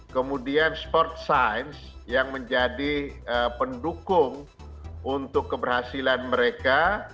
kemudian sport science yang menjadi pendukung untuk keberhasilan mereka